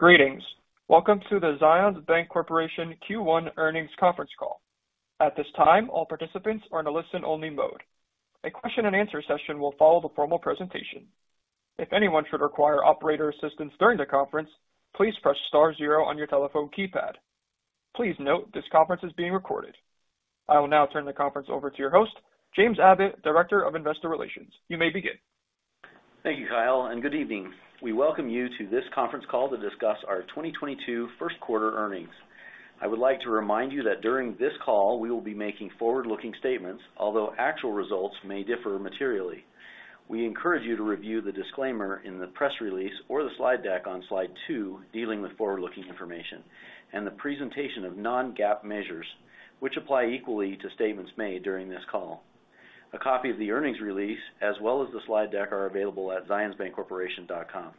Greetings. Welcome to the Zions Bancorporation Q1 earnings conference call. At this time, all participants are in a listen-only mode. A question-and-answer session will follow the formal presentation. If anyone should require operator assistance during the conference, please press star zero on your telephone keypad. Please note this conference is being recorded. I will now turn the conference over to your host, James Abbott, Director of Investor Relations. You may begin. Thank you, Kyle, and good evening. We welcome you to this conference call to discuss our 2022 Q1 earnings. I would like to remind you that during this call, we will be making forward-looking statements, although actual results may differ materially. We encourage you to review the disclaimer in the press release or the slide deck on slide 2, dealing with forward-looking information and the presentation of non-GAAP measures, which apply equally to statements made during this call . A copy of the earnings release as well as the slide deck are available at zionsbancorporation.com.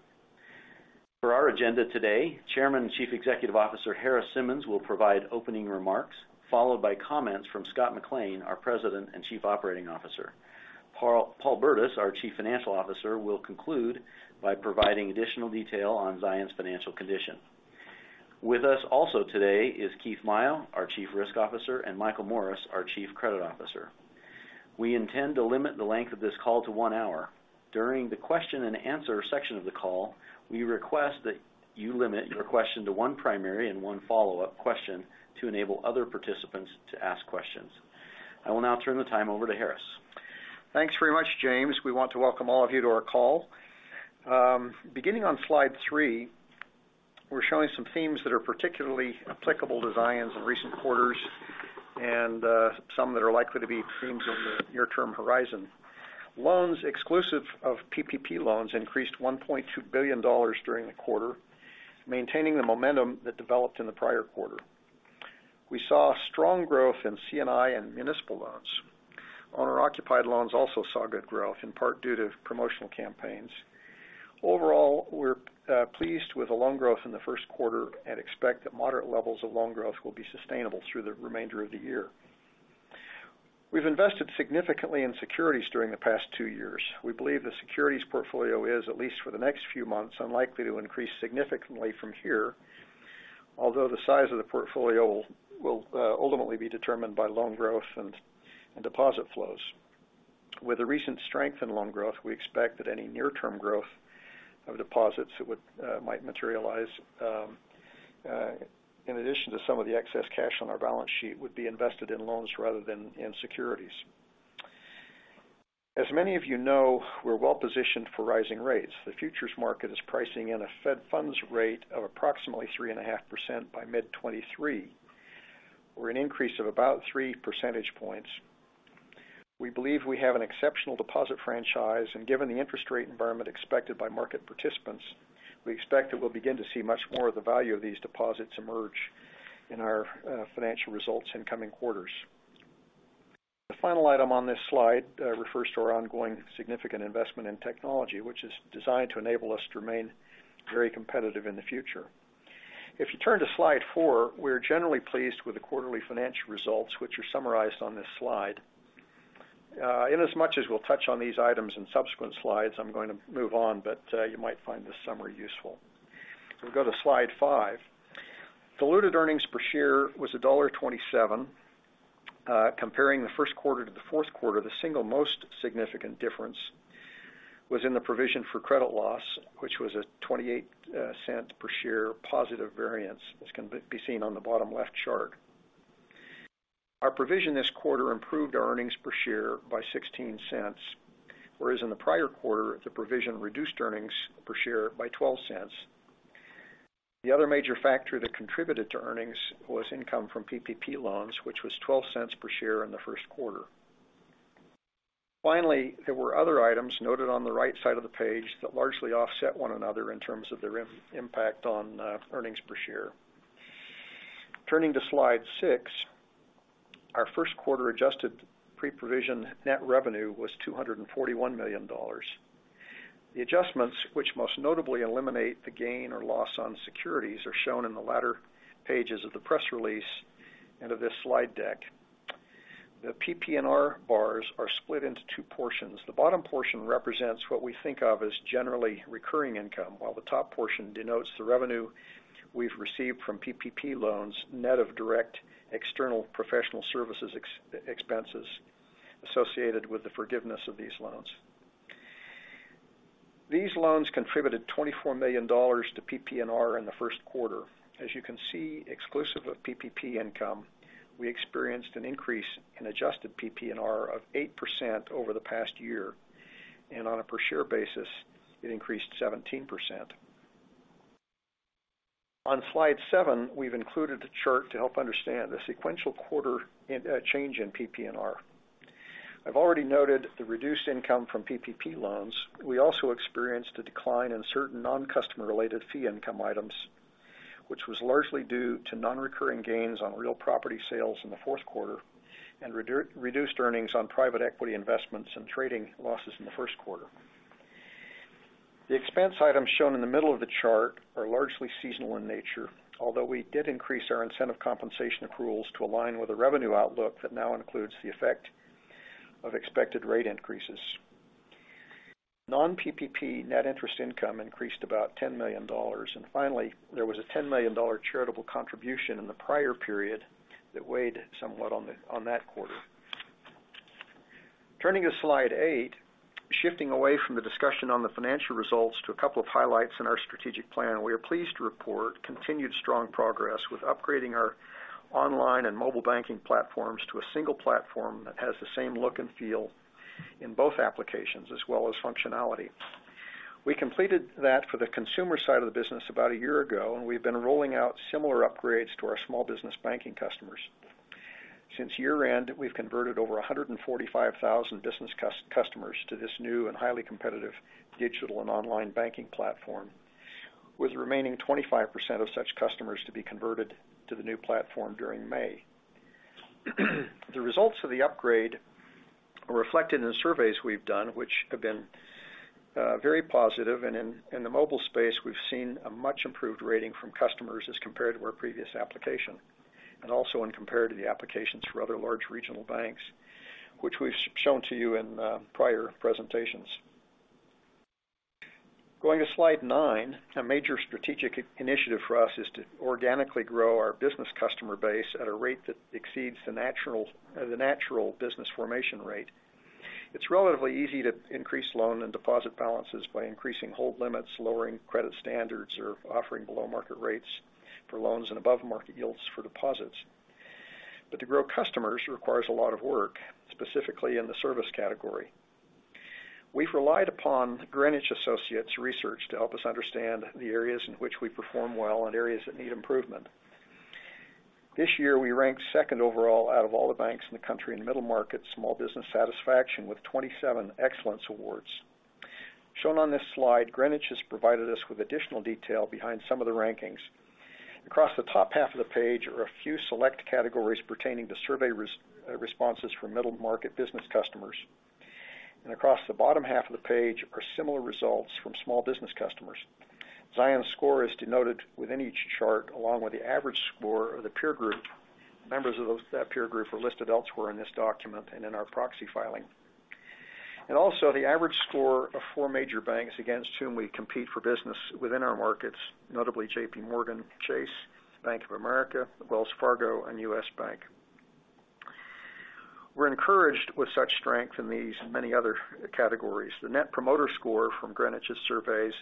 For our agenda today, Chairman and Chief Executive Officer Harris Simmons will provide opening remarks, followed by comments from Scott McLean, our President and Chief Operating Officer. Paul Burdiss, our Chief Financial Officer, will conclude by providing additional detail on Zions' financial condition. With us also today is Keith Maio, our Chief Risk Officer, and Michael Morris, our Chief Credit Officer. We intend to limit the length of this call to 1 hour. During the question and answer section of the call, we request that you limit your question to one primary and one follow-up question to enable other participants to ask questions. I will now turn the time over to Harris. Thanks very much, James. We want to welcome all of you to our call. Beginning on slide 3, we're showing some themes that are particularly applicable to Zions in recent quarters and some that are likely to be themes over the near-term horizon. Loans exclusive of PPP loans increased $1.2 billion during the quarter, maintaining the momentum that developed in the prior quarter. We saw strong growth in C&I and municipal loans. Owner-occupied loans also saw good growth, in part due to promotional campaigns. Overall, we're pleased with the loan growth in the Q1 and expect that moderate levels of loan growth will be sustainable through the remainder of the year. We've invested significantly in securities during the past 2 years. We believe the securities portfolio is, at least for the next few months, unlikely to increase significantly from here. Although the size of the portfolio will ultimately be determined by loan growth and deposit flows. With the recent strength in loan growth, we expect that any near-term growth of deposits that might materialize, in addition to some of the excess cash on our balance sheet, would be invested in loans rather than in securities. As many of you know, we're well-positioned for rising rates. The futures market is pricing in a Fed funds rate of approximately 3.5% by mid-2023, or an increase of about 3 percentage points. We believe we have an exceptional deposit franchise, and given the interest rate environment expected by market participants, we expect that we'll begin to see much more of the value of these deposits emerge in our financial results in coming quarters. The final item on this slide refers to our ongoing significant investment in technology, which is designed to enable us to remain very competitive in the future. If you turn to slide four, we're generally pleased with the quarterly financial results, which are summarized on this slide. In as much as we'll touch on these items in subsequent slides, I'm going to move on, but you might find this summary useful. If we go to slide five, diluted earnings per share was $1.27. Comparing the Q1 to the Q4, the single most significant difference was in the provision for credit loss, which was a $0.28 per share positive variance, as can be seen on the bottom left chart. Our provision this quarter improved our earnings per share by $0.16, whereas in the prior quarter, the provision reduced earnings per share by $0.12. The other major factor that contributed to earnings was income from PPP loans, which was $0.12 per share in the Q1. Finally, there were other items noted on the right side of the page that largely offset one another in terms of their impact on earnings per share. Turning to slide 6, our Q1 adjusted pre-provision net revenue was $241 million. The adjustments, which most notably eliminate the gain or loss on securities, are shown in the latter pages of the press release and of this slide deck. The PPNR bars are split into 2 portions. The bottom portion represents what we think of as generally recurring income, while the top portion denotes the revenue we've received from PPP loans, net of direct external professional services expenses associated with the forgiveness of these loans. These loans contributed $24 million to PPNR in the Q1. As you can see, exclusive of PPP income, we experienced an increase in adjusted PPNR of 8% over the past year, and on a per share basis, it increased 17%. On slide 7, we've included a chart to help understand the sequential quarter-in-quarter change in PPNR. I've already noted the reduced income from PPP loans. We also experienced a decline in certain non-customer related fee income items, which was largely due to non-recurring gains on real property sales in the Q4 and reduced earnings on private equity investments and trading losses in the Q1. The expense items shown in the middle of the chart are largely seasonal in nature, although we did increase our incentive compensation accruals to align with the revenue outlook that now includes the effect of expected rate increases. Non-PPP net interest income increased about $10 million. Finally, there was a $10 million charitable contribution in the prior period that weighed somewhat on that quarter. Turning to slide 8, shifting away from the discussion on the financial results to a couple of highlights in our strategic plan. We are pleased to report continued strong progress with upgrading our online and mobile banking platforms to a single platform that has the same look and feel in both applications as well as functionality. We completed that for the consumer side of the business about a year ago, and we've been rolling out similar upgrades to our small business banking customers. Since year-end, we've converted over 145,000 business customers to this new and highly competitive digital and online banking platform, with remaining 25% of such customers to be converted to the new platform during May. The results of the upgrade are reflected in the surveys we've done, which have been very positive. In the mobile space, we've seen a much improved rating from customers as compared to our previous application, and also when compared to the applications for other large regional banks, which we've shown to you in prior presentations. Going to slide nine. A major strategic initiative for us is to organically grow our business customer base at a rate that exceeds the natural business formation rate. It's relatively easy to increase loan and deposit balances by increasing hold limits, lowering credit standards, or offering below-market rates for loans and above-market yields for deposits. To grow customers requires a lot of work, specifically in the service category. We've relied upon Greenwich Associates Research to help us understand the areas in which we perform well and areas that need improvement. This year, we ranked second overall out of all the banks in the country in the middle market small business satisfaction with 27 Excellence Awards. Shown on this slide, Greenwich has provided us with additional detail behind some of the rankings. Across the top half of the page are a few select categories pertaining to survey responses from middle market business customers. Across the bottom half of the page are similar results from small business customers. Zions' score is denoted within each chart, along with the average score of the peer group. Members of that peer group are listed elsewhere in this document and in our proxy filing. The average score of four major banks against whom we compete for business within our markets, notably JPMorgan Chase, Bank of America, Wells Fargo, and U.S. Bank. We're encouraged with such strength in these and many other categories. The net promoter score from Greenwich's surveys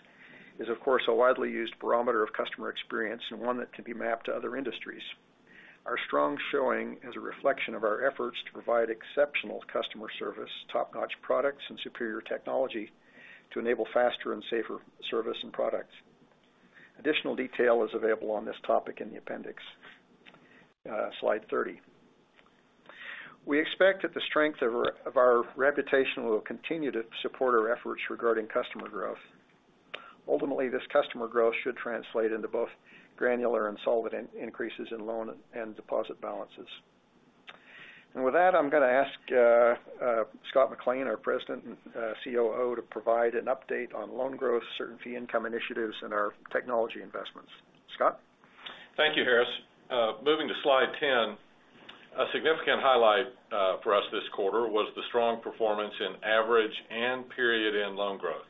is, of course, a widely used barometer of customer experience and one that can be mapped to other industries. Our strong showing is a reflection of our efforts to provide exceptional customer service, top-notch products, and superior technology to enable faster and safer service and products. Additional detail is available on this topic in the appendix, slide 30. We expect that the strength of our reputation will continue to support our efforts regarding customer growth. Ultimately, this customer growth should translate into both granular and sustainable increases in loan and deposit balances. With that, I'm going to ask Scott McLean, our President and COO, to provide an update on loan growth, C&I income initiatives, and our technology investments. Scott? Thank you, Harris. Moving to slide 10. A significant highlight for us this quarter was the strong performance in average and period-end loan growth.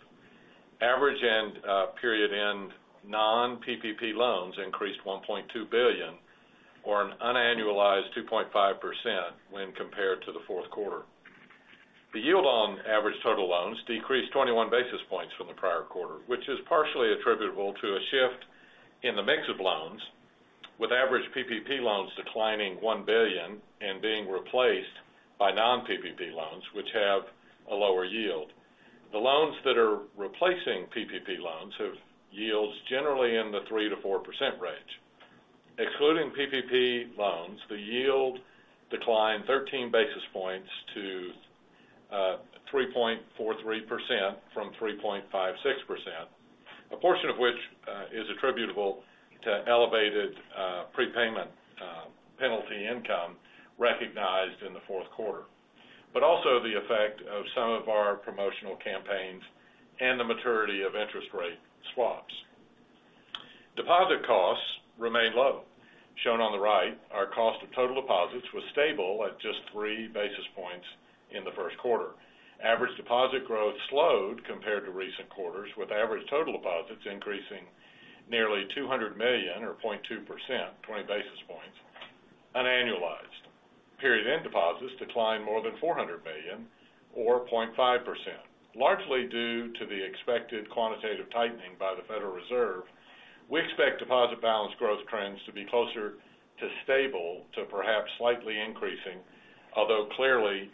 Average and period-end non-PPP loans increased $1.2 billion or an unannualized 2.5% when compared to the Q4. The yield on average total loans decreased 21 basis points from the prior quarter, which is partially attributable to a shift in the mix of loans, with average PPP loans declining $1 billion and being replaced by non-PPP loans, which have a lower yield. The loans that are replacing PPP loans have yields generally in the 3%-4% range. Excluding PPP loans, the yield declined 13 basis points to 3.43% from 3.56%, a portion of which is attributable to elevated prepayment penalty income recognized in the Q4. Also the effect of some of our promotional campaigns and the maturity of interest rate swaps. Deposit costs remain low. Shown on the right, our cost of total deposits was stable at just 3 basis points in the Q1. Average deposit growth slowed compared to recent quarters, with average total deposits increasing nearly $200 million or 0.2%, 20 basis points unannualized. Period-end deposits declined more than $400 million or 0.5%. Largely due to the expected quantitative tightening by the Federal Reserve, we expect deposit balance growth trends to be closer to stable to perhaps slightly increasing, although clearly,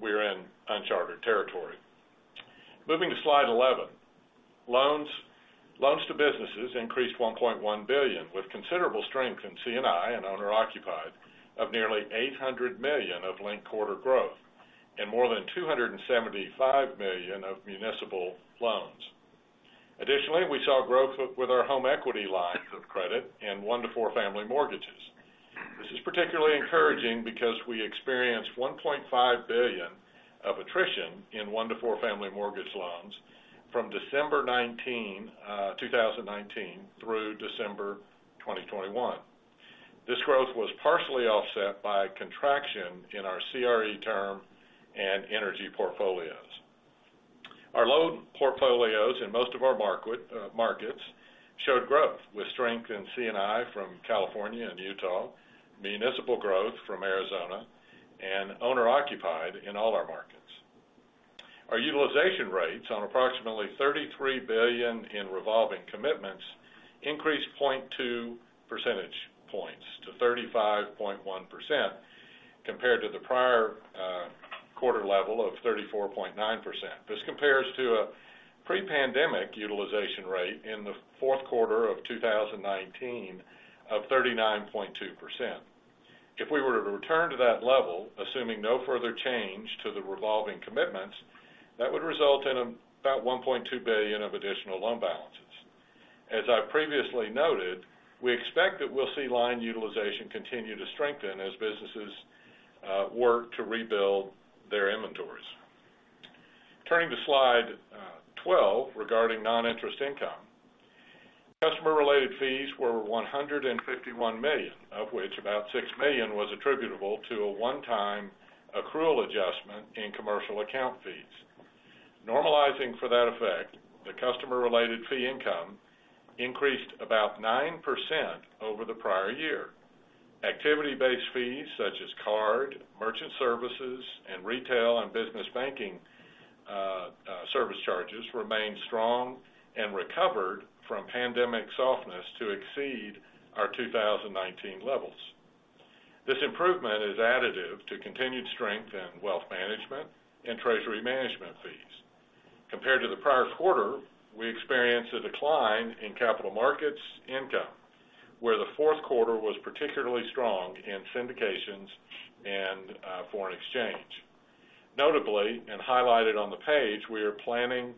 we're in uncharted territory. Moving to slide 11. Loans to businesses increased $1.1 billion, with considerable strength in C&I and owner-occupied of nearly $800 million of linked-quarter growth and more than $275 million of municipal loans. Additionally, we saw growth with our home equity lines of credit and 1 to 4 family mortgages. This is particularly encouraging because we experience d $1.5 billion of attrition in 1 to 4 family mortgage loans from December 2019 through December 2021. This growth was partially offset by a contraction in our CRE term and energy portfolios. Our loan portfolios in most of our markets showed growth with strength in C&I from California and Utah, municipal growth from Arizona, and owner-occupied in all our markets. Our utilization rates on approximately $33 billion in revolving commitments increased 0.2 percentage points to 35.1% compared to the prior quarter level of 34.9%. This compares to a pre-pandemic utilization rate in the Q4 of 2019 of 39.2%. If we were to return to that level, assuming no further change to the revolving commitments, that would result in about $1.2 billion of additional loan balances. As I previously noted, we expect that we'll see line utilization continue to strengthen as businesses work to rebuild their inventories. Turning to slide 12 regarding non-interest income. Customer-related fees were $151 million, of which about $6 million was attributable to a one-time accrual adjustment in commercial account fees. Normalizing for that effect, the customer-related fee income increased about 9% over the prior year. Activity-based fees such as card, merchant services, and retail and business banking service charges remained strong and recovered from pandemic softness to exceed our 2019 levels. This improvement is additive to continued strength in wealth management and treasury management fees. Compared to the prior quarter, we experienced a decline in capital markets income, where the Q4 was particularly strong in syndications and foreign exchange. Notably, highlighted on the page, we are planning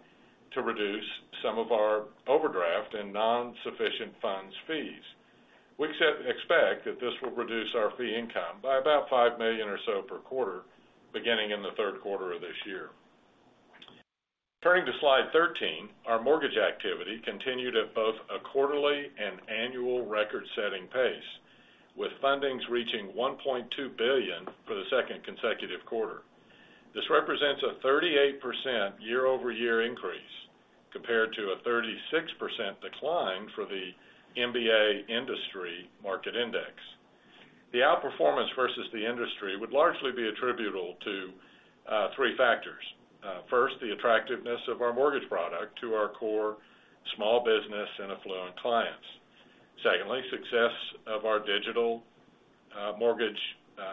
to reduce some of our overdraft and non-sufficient funds fees. We expect that this will reduce our fee income by about $5 million or so per quarter beginning in the Q3 of this year. Turning to slide 13, our mortgage activity continued at both a quarterly and annual record-setting pace, with fundings reaching $1.2 billion for the second consecutive quarter. This represents a 38% year-over-year increase compared to a 36% decline for the MBA industry market index. The outperformance versus the industry would largely be attributable to 3 factors. 1st, the attractiveness of our mortgage product to our core small business and affluent clients. Secondly, success of our digital mortgage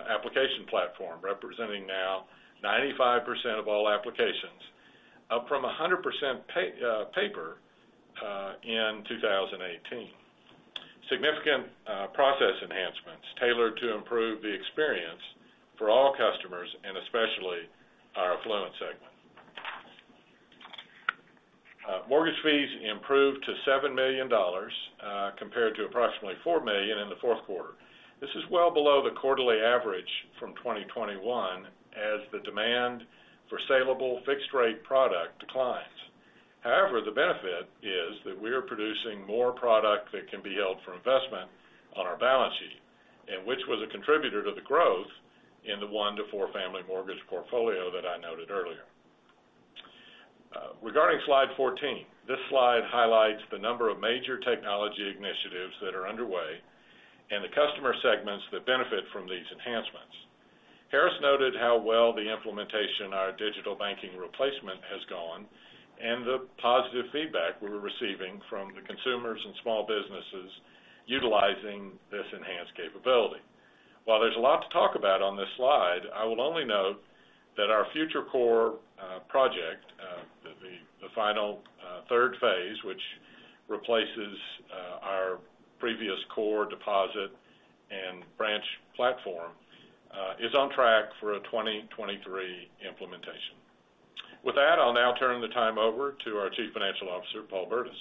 application platform, representing now 95% of all applications, up from 100% paper in 2018. Significant process enhancements tailored to improve the experience for all customers and especially our affluent segment. Mortgage fees improved to $7 million, compared to approximately $4 million in the fourth quarter. This is well below the quarterly average from 2021 as the demand for salable fixed-rate product declines. However, the benefit is that we are producing more product that can be held for investment on our balance sheet and which was a contributor to the growth in the 1 to 4 family mortgage portfolio that I noted earlier. Regarding slide 14, this slide highlights the number of major technology initiatives that are underway and the customer segments that benefit from these enhancements. Harris noted how well the implementation of our digital banking replacement has gone and the positive feedback we're receiving from the consumers and small businesses utilizing this enhanced capability. While there's a lot to talk about on this slide, I will only note that our future core project, the final third phase, which replaces our previous core deposit and branch platform, is on track for a 2023 implementation. With that, I'll now turn the time over to our Chief Financial Officer, Paul Burdiss.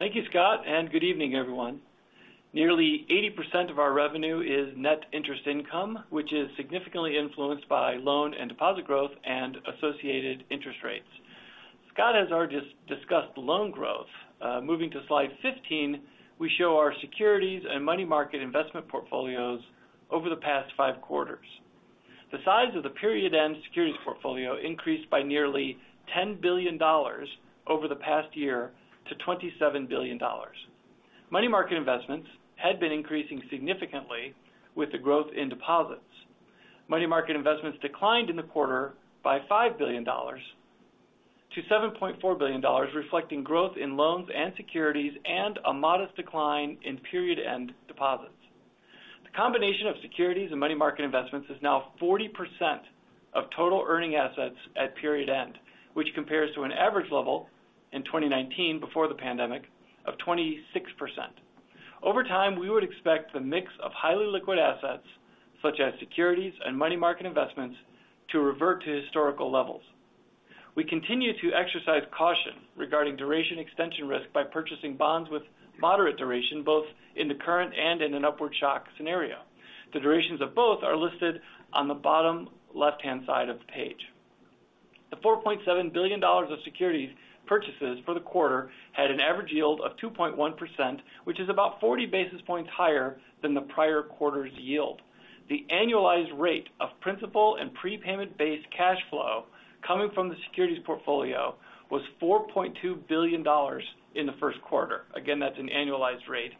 Thank you, Scott, and good evening, everyone. Nearly 80% of our revenue is net interest income, which is significantly influenced by loan and deposit growth and associated interest rates. Scott has already discussed loan growth. Moving to slide 15, we show our securities and money market investment portfolios over the past five quarters. The size of the period-end securities portfolio increased by nearly $10 billion over the past year to $27 billion. Money market investments had been increasing significantly with the growth in deposits. Money market investments declined in the quarter by $5 billion to $7.4 billion, reflecting growth in loans and securities and a modest decline in period-end deposits. The combination of securities and money market investments is now 40% of total earning assets at period end, which compares to an average level in 2019 before the pandemic of 26%. Over time, we would expect the mix of highly liquid assets, such as securities and money market investments, to revert to historical levels. We continue to exercise caution regarding duration extension risk by purchasing bonds with moderate duration, both in the current and in an upward shock scenario. The durations of both are listed on the bottom left-hand side of the page. The $4.7 billion of securities purchases for the quarter had an average yield of 2.1%, which is about 40 basis points higher than the prior quarter's yield. The annualized rate of principal and prepayment-based cash flow coming from the securities portfolio was $4.2 billion in the Q1. Again, that's an annualized rate.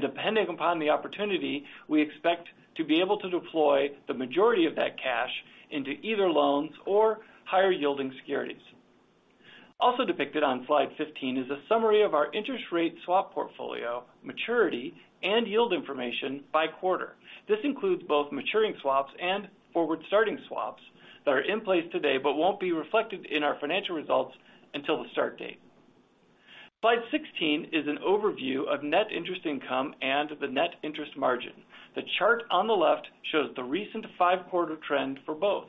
Depending upon the opportunity, we expect to be able to deploy the majority of that cash into either loans or higher yielding securities. Also depicted on slide 15 is a summary of our interest rate swap portfolio maturity and yield information by quarter. This includes both maturing swaps and forward starting swaps that are in place today but won't be reflected in our financial results until the start date. Slide 16 is an overview of net interest income and the net interest margin. The chart on the left shows the recent 5-quarter trend for both.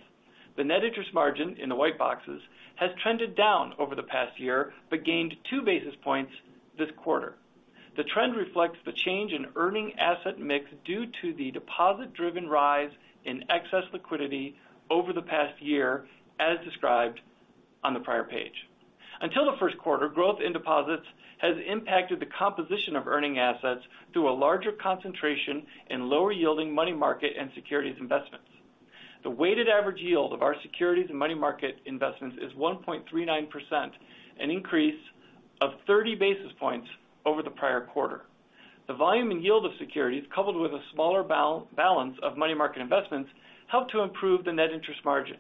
The net interest margin, in the white boxes, has trended down over the past year, but gained 2 basis points this quarter. The trend reflects the change in earning asset mix due to the deposit-driven rise in excess liquidity over the past year, as described on the prior page. Until the Q1, growth in deposits has impacted the composition of earning assets through a larger concentration in lower yielding money market and securities investments. The weighted average yield of our securities and money market investments is 1.39%, an increase of 30 basis points over the prior quarter. The volume and yield of securities, coupled with a smaller balance of money market investments, help to improve the net interest margin.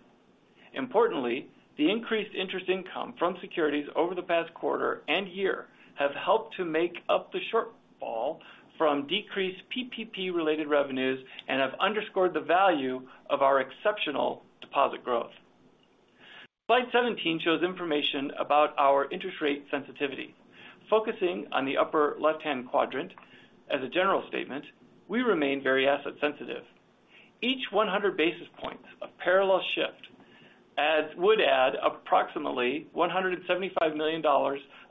Importantly, the increased interest income from securities over the past quarter and year have helped to make up the shortfall from decreased PPP related revenues and have underscored the value of our exceptional deposit growth. Slide 17 shows information about our interest rate sensitivity. Focusing on the upper left-hand quadrant as a general statement, we remain very asset sensitive. Each 100 basis points of parallel shift would add approximately $175 million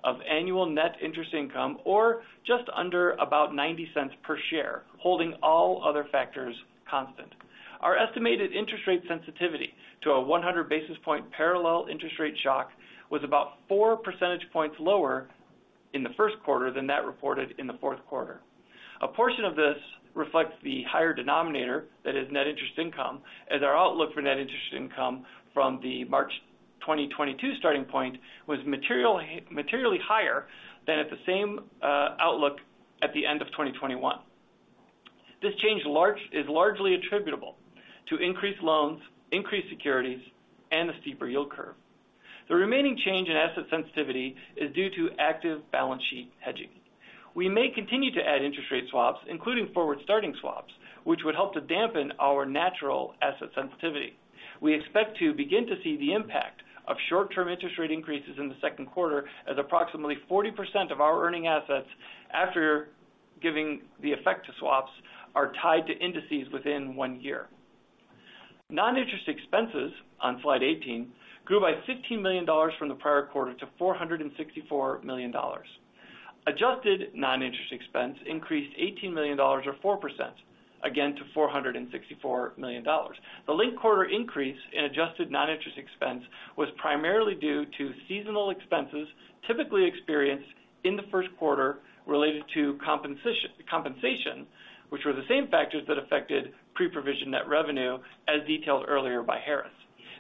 of annual net interest income, or just under about $0.90 per share, holding all other factors constant. Our estimated interest rate sensitivity to a 100 basis point parallel interest rate shock was about 4 percentage points lower in the Q1 than that reported in the Q4. A portion of this reflects the higher denominator, that is net interest income, as our outlook for net interest income from the March 2022 starting point was materially higher than at the same outlook at the end of 2021. This change is largely attributable to increased loans, increased securities, and the steeper yield curve. The remaining change in asset sensitivity is due to active balance sheet hedging. We may continue to add interest rate swaps, including forward starting swaps, which would help to dampen our natural asset sensitivity. We expect to begin to see the impact of short-term interest rate increases in the Q2 as approximately 40% of our earning assets after giving the effect to swaps are tied to indices within one year. Non-interest expenses on slide 18 grew by $15 million from the prior quarter to $464 million. Adjusted non-interest expense increased $18 million or 4%, again, to $464 million. The linked quarter increase in adjusted non-interest expense was primarily due to seasonal expenses typically experienced in the Q1 related to compensation, which were the same factors that affected pre-provision net revenue as detailed earlier by Harris.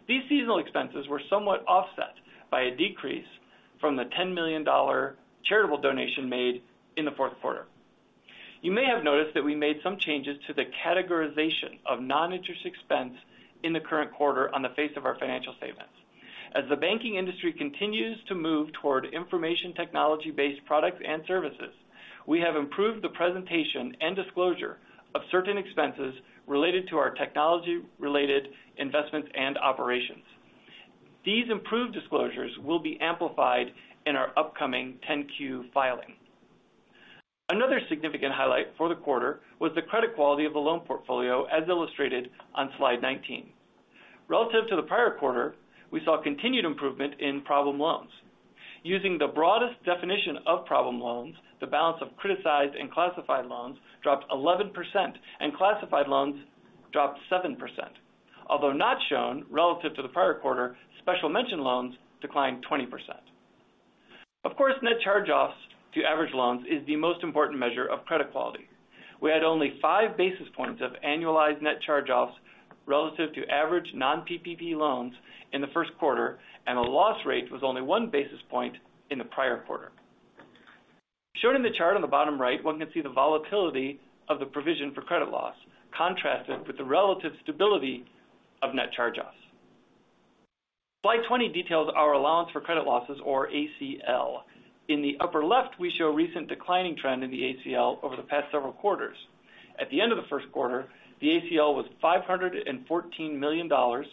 These seasonal expenses were somewhat offset by a decrease from the $10 million charitable donation made in the Q4. You may have noticed that we made some changes to the categorization of non-interest expense in the current quarter on the face of our financial statements. As the banking industry continues to move toward information technology-based products and services, we have improved the presentation and disclosure of certain expenses related to our technology-related investments and operations. These improved disclosures will be amplified in our upcoming 10-Q filing. Another significant highlight for the quarter was the credit quality of the loan portfolio, as illustrated on slide 19. Relative to the prior quarter, we saw continued improvement in problem loans. Using the broadest definition of problem loans, the balance of criticized and classified loans dropped 11%, and classified loans dropped 7%. Although not shown relative to the prior quarter, special mention loans declined 20%. Of course, net charge-offs to average loans is the most important measure of credit quality. We had only 5 basis points of annualized net charge-offs relative to average non-PPP loans in the Q1, and a loss rate was only 1 basis point in the prior quarter. Shown in the chart on the bottom right, one can see the volatility of the provision for credit loss contrasted with the relative stability of net charge-offs. Slide 20 details our allowance for credit losses or ACL. In the upper left, we show a recent declining trend in the ACL over the past several quarters. At the end of the Q1, the ACL was $514 million or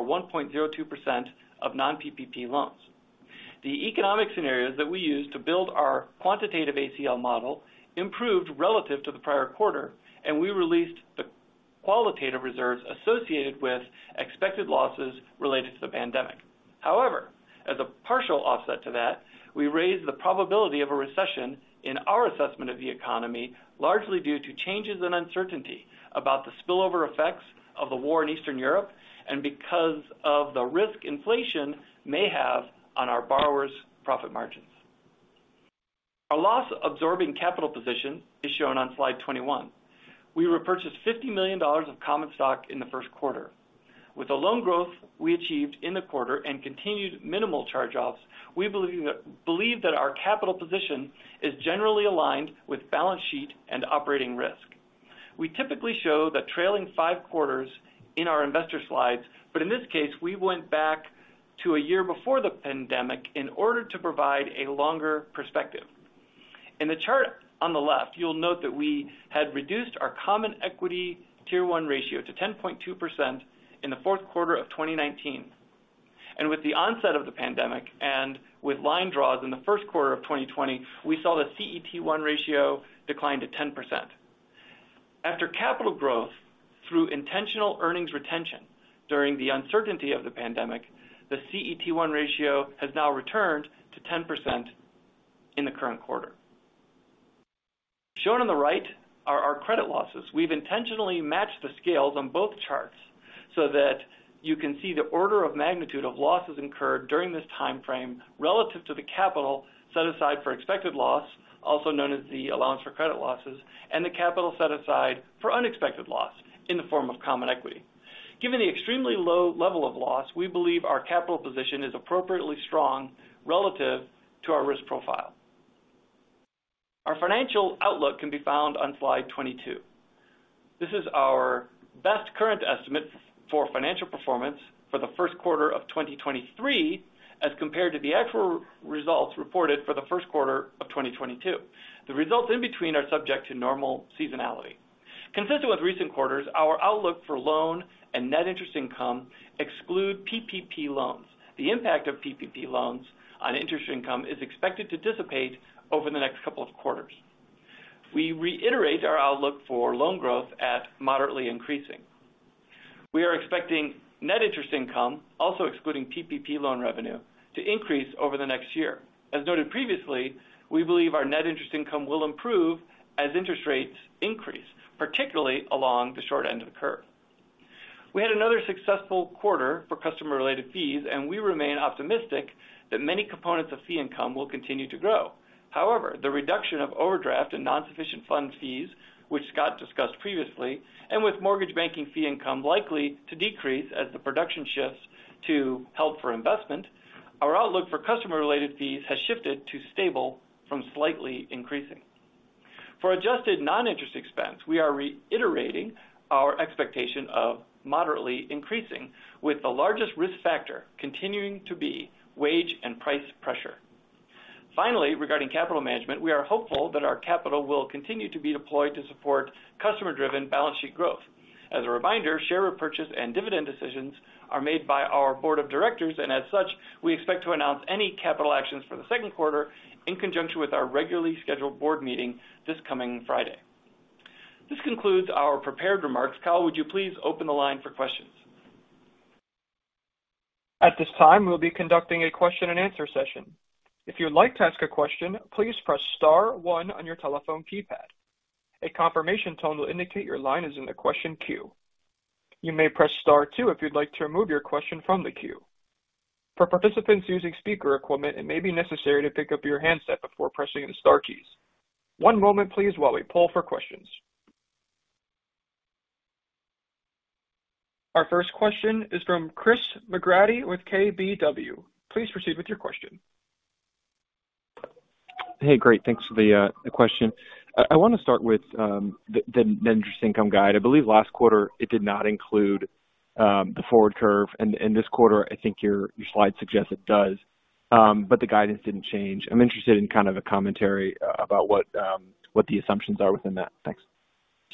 1.02% of non-PPP loans. The economic scenarios that we used to build our quantitative ACL model improved relative to the prior quarter, and we released the qualitative reserves associated with expected losses related to the pandemic. However. As a partial offset to that, we raised the probability of a recession in our assessment of the economy, largely due to changes in uncertainty about the spillover effects of the war in Eastern Europe and because of the risk inflation may have on our borrowers' profit margins. Our loss-absorbing capital position is shown on slide 21. We repurchased $50 million of common stock in the Q1. With the loan growth we achieved in the quarter and continued minimal charge-offs, we believe that our capital position is generally aligned with balance sheet and operating risk. We typically show the trailing 5 quarters in our investor slides, but in this case, we went back to a year before the pandemic in order to provide a longer perspective. In the chart on the left, you'll note that we had reduced our Common Equity Tier 1 ratio to 10.2% in the Q4 of 2019. With the onset of the pandemic and with line draws in the Q1 of 2020, we saw the CET1 ratio decline to 10%. After capital growth through intentional earnings retention during the uncertainty of the pandemic, the CET1 ratio has now returned to 10% in the current quarter. Shown on the right are our credit losses. We've intentionally matched the scales on both charts so that you can see the order of magnitude of losses incurred during this time frame relative to the capital set aside for expected loss, also known as the allowance for credit losses, and the capital set aside for unexpected loss in the form of common equity. Given the extremely low level of loss, we believe our capital position is appropriately strong relative to our risk profile. Our financial outlook can be found on slide 22. This is our best current estimate for financial performance for the Q1 of 2023 as compared to the actual results reported for the Q1 of 2022. The results in between are subject to normal seasonality. Consistent with recent quarters, our outlook for loan and net interest income exclude PPP loans. The impact of PPP loans on interest income is expected to dissipate over the next couple of quarters. We reiterate our outlook for loan growth at moderately increasing. We are expecting net interest income, also excluding PPP loan revenue, to increase over the next year. As noted previously, we believe our net interest income will improve as interest rates increase, particularly along the short end of the curve. We had another successful quarter for customer-related fees, and we remain optimistic that many components of fee income will continue to grow. However, the reduction of overdraft and non-sufficient funds fees, which Scott discussed previously, and with mortgage banking fee income likely to decrease as the production shifts to held for investment, our outlook for customer-related fees has shifted to stable from slightly increasing. For adjusted non-interest expense, we are reiterating our expectation of moderately increasing, with the largest risk factor continuing to be wage and price pressure. Finally, regarding capital management, we are hopeful that our capital will continue to be deployed to support customer-driven balance sheet growth. As a reminder, share repurchase and dividend decisions are made by our board of directors, and as such, we expect to announce any capital actions for Q2 in conjunction with our regularly scheduled board meeting this coming Friday. This concludes our prepared remarks. Kyle, would you please open the line for questions? At this time, we'll be conducting a question-and-answer session. If you'd like to ask a question, please press star 1 on your telephone keypad. A confirmation tone will indicate your line is in the question queue. You may press star 2 if you'd like to remove your question from the queue. For participants using speaker equipment, it may be necessary to pick up your handset before pressing the star keys. One moment, please, while we poll for questions. Our first question is from Christopher McGratty with KBW. Please proceed with your question. Hey, great. Thanks for the question. I want to start with the net interest income guide. I believe last quarter it did not include the forward curve. This quarter, I think your slide suggests it does. The guidance didn't change. I'm interested in kind of a commentary about what the assumptions are within that. Thanks.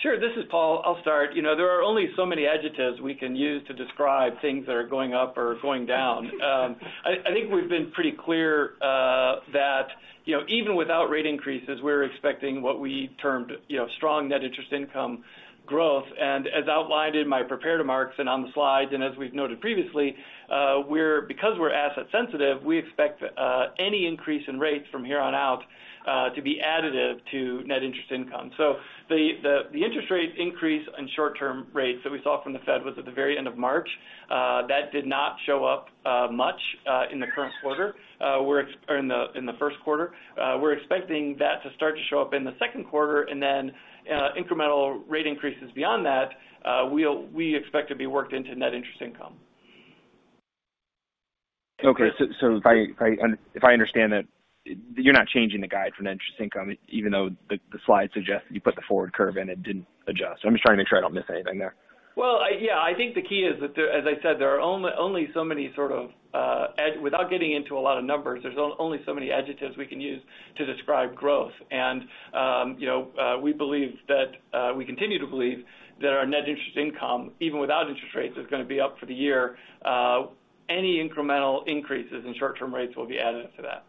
Sure. This is Paul. I'll start. You know, there are only so many adjectives we can use to describe things that are going up or going down. I think we've been pretty clear that, you know, even without rate increases, we're expecting what we termed, you know, strong net interest income growth. As outlined in my prepared remarks and on the slides, and as we've noted previously, because we're asset sensitive, we expect any increase in rates from here on out to be additive to net interest income. The interest rate increase in short-term rates that we saw from the Fed was at the very end of March. That did not show up much in the current quarter or in the Q1. We're expecting that to start to show up in the Q2, and then, incremental rate increases beyond that, we expect to be worked into net interest income. Okay. If I understand that, you're not changing the guide for net interest income even though the slide suggests you put the forward curve in, it didn't adjust. I'm just trying to make sure I don't miss anything there. Well, yeah, I think the key is that there as I said, there are only so many sort of without getting into a lot of numbers, there's only so many adjectives we can use to describe growth. You know, we believe that we continue to believe that our net interest income, even without interest rates, is going to be up for the year. Any incremental increases in short-term rates will be added to that.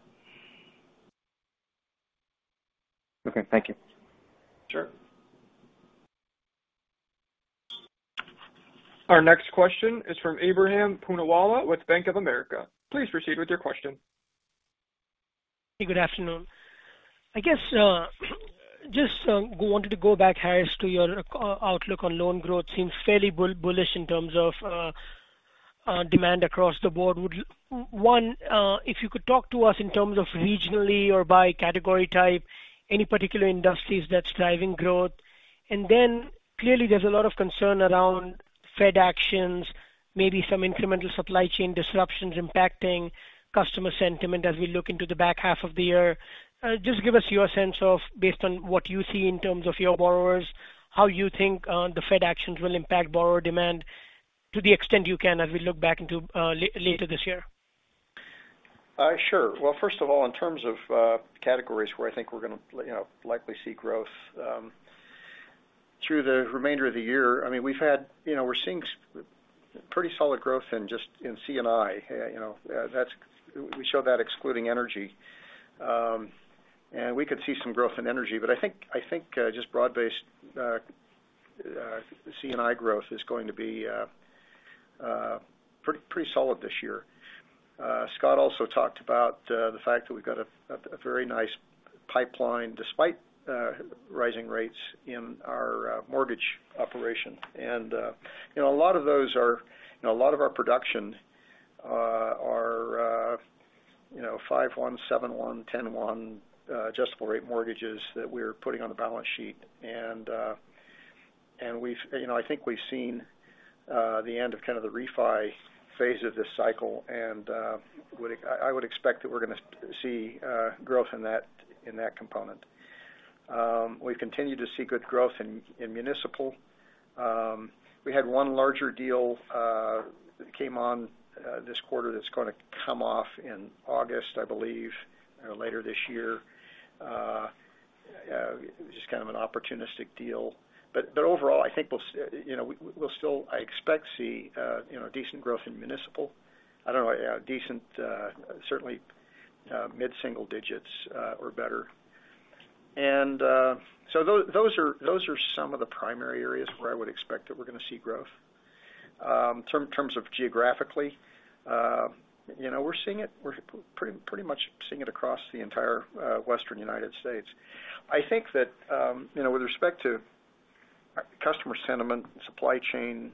Okay. Thank you. Sure. Our next question is from Ebrahim Poonawalla with Bank of America. Please proceed with your question. Hey, good afternoon. I guess just wanted to go back, Harris, to your outlook on loan growth seems fairly bullish in terms of demand across the board. Would you, one, if you could talk to us in terms of regionally or by category type, any particular industries that's driving growth. Clearly there's a lot of concern around Fed actions, maybe some incremental supply chain disruptions impacting customer sentiment as we look into the back half of the year. Just give us your sense of, based on what you see in terms of your borrowers, how you think the Fed actions will impact borrower demand to the extent you can as we look into later this year. Sure. Well, first of all, in terms of categories where I think we're going, you know, likely see growth through the remainder of the year. I mean, you know, we're seeing pretty solid growth in C&I. You know, we show that excluding energy. And we could see some growth in energy. But I think just broad-based C&I growth is going to be pretty solid this year. Scott also talked about the fact that we've got a very nice pipeline despite rising rates in our mortgage operation. You know, a lot of those are, you know, a lot of our production are 5.1, 7,1, 10.1 Adjustable rate mortgages that we're putting on the balance sheet. We've seen the end of kind of the refi phase of this cycle. I would expect that we're going to see growth in that component. We continue to see good growth in municipal. We had one larger deal that came on this quarter that's going to come off in August, I believe, or later this year. Just kind of an opportunistic deal. Overall, I think we'll still, I expect, see decent growth in municipal. I don't know, decent, certainly mid-single digits or better. Those are some of the primary areas where I would expect that we're going to see growth. Terms of geographically, you know, we're seeing it. We're pretty much seeing it across the entire Western United States. I think that, you know, with respect to customer sentiment, supply chain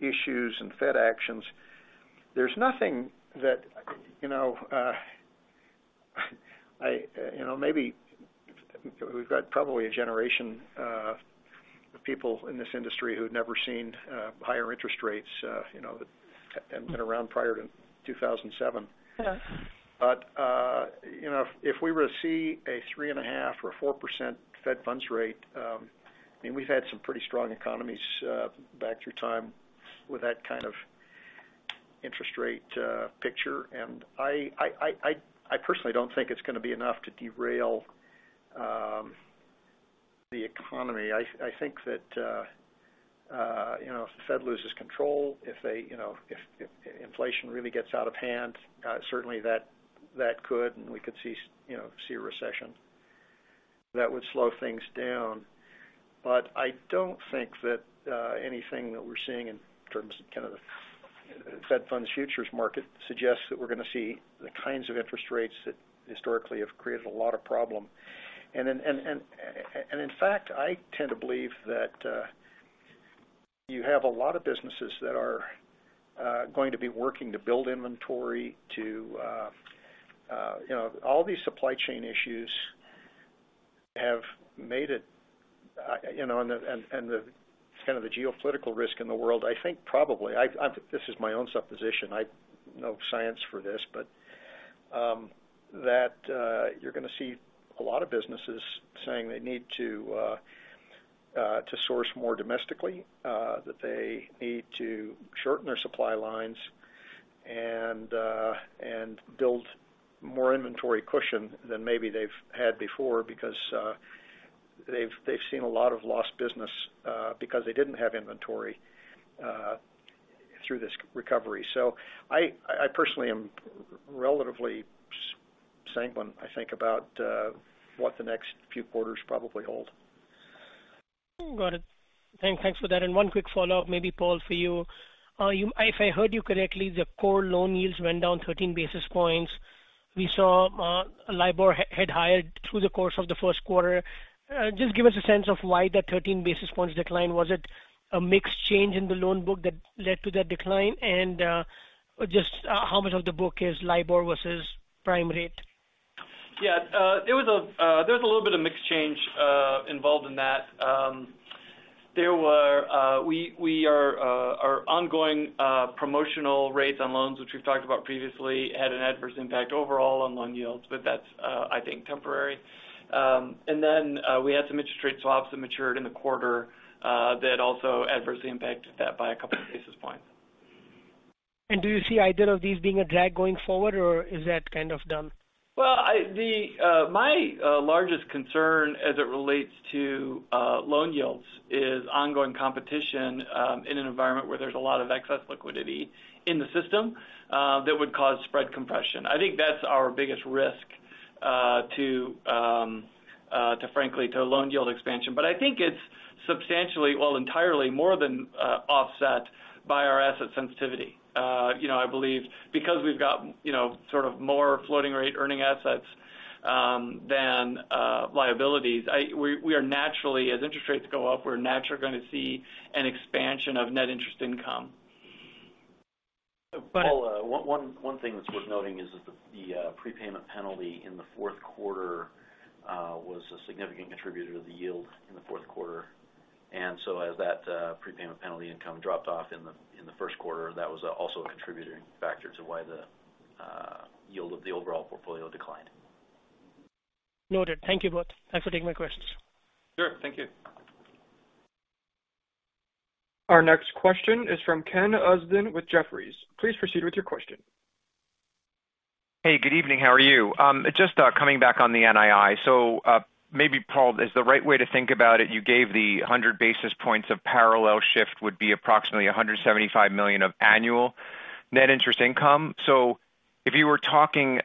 issues, and Fed actions, there's nothing that, you know, maybe we've got probably a generation of people in this industry who'd never seen higher interest rates, you know, that hadn't been around prior to 2007. Yeah. You know, if we were to see a 3.5% or 4% Fed funds rate, I mean, we've had some pretty strong economies back through time with that kind of interest rate picture. I personally don't think it's going to be enough to derail the economy. I think that you know, if the Fed loses control, if they you know, if inflation really gets out of hand, certainly that could and we could see a recession. That would slow things down. I don't think that anything that we're seeing in terms of kind of the Fed funds futures market suggests that we're going to see the kinds of interest rates that historically have created a lot of problem. In fact, I tend to believe that you have a lot of businesses that are going to be working to build inventory. You know, all these supply chain issues have made it, you know, and the kind of geopolitical risk in the world, I think probably. This is my own supposition. No science for this, but that you're going to see a lot of businesses saying they need to source more domestically, that they need to shorten their supply lines and build more inventory cushion than maybe they've had before because they've seen a lot of lost business because they didn't have inventory through this recovery. I personally am relatively sanguine, I think, about what the next few quarters probably hold. Got it. Thanks for that. One quick follow-up, maybe, Paul, for you. If I heard you correctly, the core loan yields went down 13 basis points. We saw LIBOR had higher through the course of the Q1. Just give us a sense of why the 13 basis points decline. Was it a mix change in the loan book that led to that decline? Just how much of the book is LIBOR versus prime rate? Yeah. There was a little bit of mix change involved in that. There were ongoing promotional rates on loans, which we've talked about previously, had an adverse impact overall on loan yields, but that's, I think, temporary. We had some interest rate swaps that matured in the quarter that also adversely impacted that by a couple of basis points. Do you see either of these being a drag going forward, or is that kind of done? My largest concern as it relates to loan yields is ongoing competition in an environment where there's a lot of excess liquidity in the system that would cause spread compression. I think that's our biggest risk to loan yield expansion. But I think it's substantially, well, entirely more than offset by our asset sensitivity. You know, I believe because we've got, you know, sort of more floating rate earning assets than liabilities. We are naturally as interest rates go up, we're naturally going to see an expansion of net interest income. Paul, one thing that's worth noting is that the prepayment penalty in the Q4 was a significant contributor to the yield in the Q4. As that prepayment penalty income dropped off in the Q1, that was also a contributing factor to why the yield of the overall portfolio declined. Noted. Thank you both. Thanks for taking my questions. Sure. Thank you. Our next question is from Ken Usdin with Jefferies. Please proceed with your question. Hey, good evening. How are you? Just coming back on the NII. Maybe Paul is the right way to think about it, you gave the 100 basis points of parallel shift would be approximately $175 million of annual net interest income. If you were talking